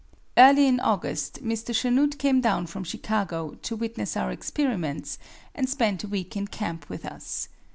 Early in August Mr. Chanute came down from Chicago to witness our experiments, and spent a week in camp with us.